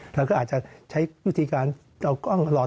เราก็อาจจะใช้วิธีการเอากล้องตลอด